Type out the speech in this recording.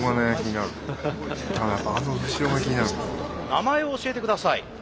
名前を教えてください。